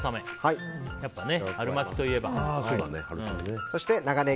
やっぱ春巻きといえば。